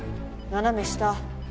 斜め下。